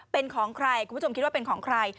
เป็นของใครคุณผู้ชมคิดว่าเป็นของใคร